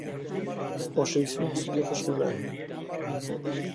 خۆشەویستی و حەسوودی خوشک و بران.